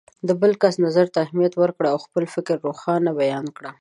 د بل کس نظر ته اهمیت ورکړئ او خپل فکر روښانه بیان کړئ.